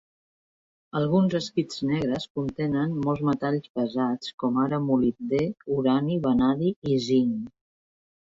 Alguns esquists negres contenen molts metalls pesats com ara molibdè, urani, vanadi i zinc.